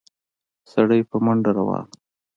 سړی په منډه روان و.